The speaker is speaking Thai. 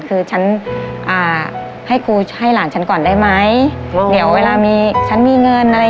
คือฉันอ่าให้กูให้หลานฉันก่อนได้ไหมเดี๋ยวเวลามีฉันมีเงินอะไร